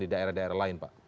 di daerah daerah lain pak